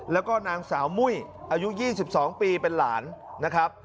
แล้วก็นางสาวมุ้ยอายุ๒๒ปีเป็นหลานนะครับ